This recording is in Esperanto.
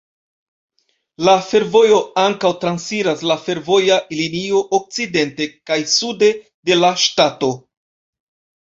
La fervojo ankaŭ transiras la fervoja linio okcidente kaj sude de la ŝtato.